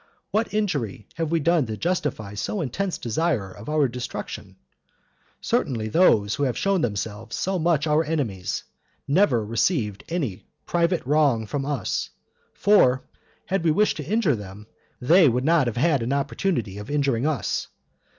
What injury have we done to justify so intense desire of our destruction? Certainly those who have shown themselves so much our enemies, never received any private wrong from us; for, had we wished to injure them, they would not have had an opportunity of injuring us.